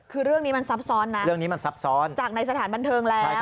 คือเรื่องนี้มันซับซ้อนนะจากในสถานบันเทิงแล้ว